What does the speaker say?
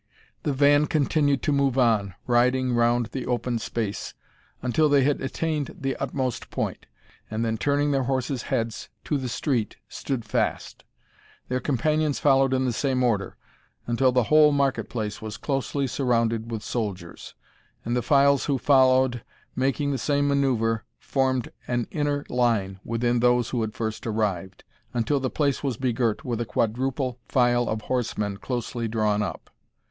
The van continued to move on, riding round the open spaoe, until they had attained the utmost point, and then turning their horses' heads to the street, stood fast; their companions followed in the same order, until the whole market place was closely surrounded with soldiers; and the files who followed, making the same manoeuvre, formed an inner line within those who had first arrived, until the place was begirt with a quadruple file of horsemen closely drawn up.